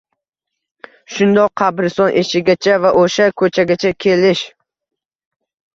shundoq qabriston eshigigacha va o'sha ko'chagacha kelish